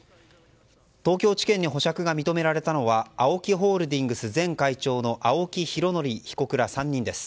東京地検に保釈が認められたのはＡＯＫＩホールディングス前会長の青木拡憲被告ら３人です。